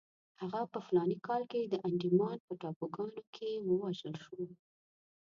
هغه په فلاني کال کې د انډیمان په ټاپوګانو کې ووژل شو.